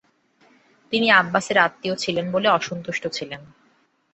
তিনি আব্বাসার আত্মীয় ছিলেন বলে অসন্তুষ্ট ছিলেন।